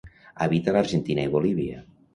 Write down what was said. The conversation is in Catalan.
Habita a l'Argentina i Bolívia.